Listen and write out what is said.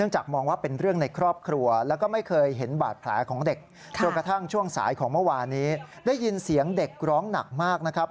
จนกระทั่งช่วงสายของเมื่อวานี้ได้ยินเสียงเด็กร้องหนักมากนะครับ